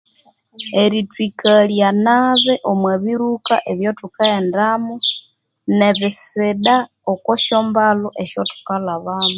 Erithwikalya nabi omobiruka ebyathukaghendamu nebisida okosyambalu esyathukalabamu